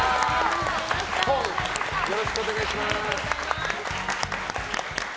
本もよろしくお願いします。